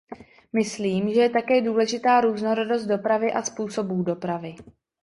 Myslím, že je také důležitá různorodost dopravy a způsobů dopravy.